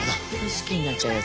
好きになっちゃうやつ。